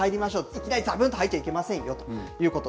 いきなりざぶんと入っちゃいけませんよということ。